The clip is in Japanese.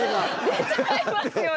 出ちゃいますよね。